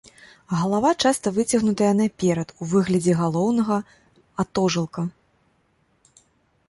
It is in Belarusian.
Галава часта выцягнутая наперад у выглядзе галаўнога атожылка.